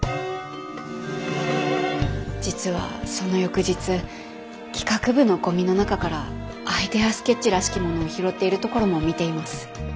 実はその翌日企画部のゴミの中からアイデアスケッチらしきものを拾っているところも見ています。